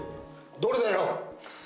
どれだよ！